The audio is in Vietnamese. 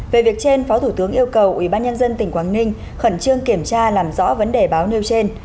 về việc trên phó thủ tướng yêu cầu ubnd tỉnh quảng ninh khẩn trương kiểm tra làm rõ vấn đề báo nêu trên